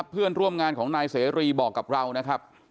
เพื่อนร่วมงานของนายเสรีบอกกับเรานะครับ